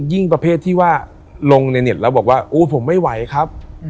ประเภทที่ว่าลงในเน็ตแล้วบอกว่าโอ้ผมไม่ไหวครับ